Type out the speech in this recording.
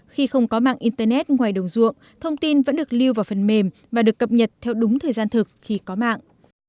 khi không có mạng internet ngoài đồng ruộng thông tin vẫn được lưu vào phần mềm và được cập nhật theo đúng thời gian thực khi có mạng